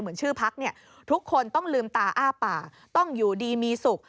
เหมือนชื่อพักเนี่ยทุกคนต้องลืมตาอ้าปากต้องอยู่ดีมีสุข